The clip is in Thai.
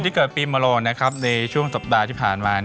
คนที่เกิดปีมาโรคในช่วงสัปดาห์ที่ผ่านมา